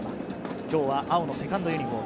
今日は青の２ｎｄユニホーム。